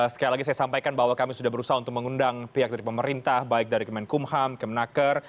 sekali lagi saya sampaikan bahwa kami sudah berusaha untuk mengundang pihak dari pemerintah baik dari kemenkumham kemenaker